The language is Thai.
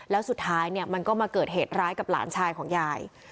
แล้วสุดท้ายเนี่ยมันก็มาเกิดเหตุร้ายกับหลานชายของยาย